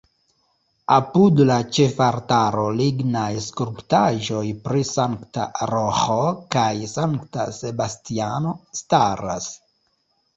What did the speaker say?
Apud la ĉefaltaro lignaj skulptaĵoj pri Sankta Roĥo kaj Sankta Sebastiano staras.